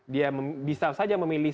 dia bisa saja memilih